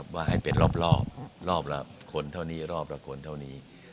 ว่าให้เป็นรอบรอบละคนเท่านี้รอบละคนเท่านี้